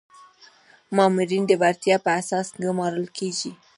مامورین د وړتیا په اساس ګمارل کیږي